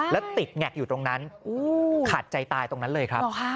แล้วติดแงกอยู่ตรงนั้นขาดใจตายตรงนั้นเลยครับ